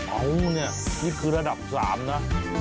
เอาเนี่ยนี่คือระดับ๓นะ